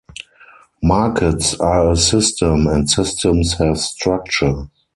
Markets are a system, and systems have structure.